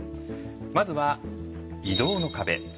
まずは移動の壁。